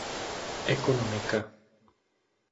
Ekonomika.